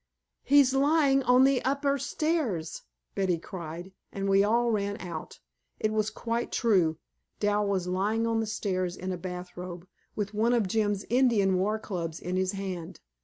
"He's lying on the upper stairs!" Betty cried, and we all ran out. It was quite true. Dal was lying on the stairs in a bathrobe, with one of Jim's Indian war clubs in his hand.